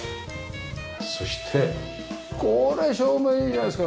そしてこれ照明いいじゃないですか。